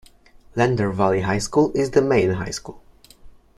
Lander Valley High School is the main high school.